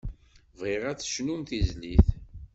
Bɣiɣ ad d-tecnum tizlit.